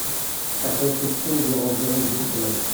Sa construction dure environ deux semaines.